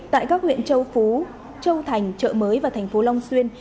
tại các huyện châu phú châu thành chợ mới và thành phố long xuyên